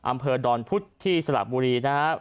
อำเพิ่มดอนพุธที่สลับบุรีนะครับ